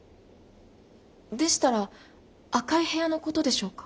でしたら赤い部屋のことでしょうか？